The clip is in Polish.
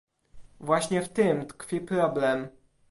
Właśnie w tym tkwi problem